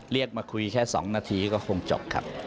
เรียกมาคุยแค่๒นาทีก็คงจบครับ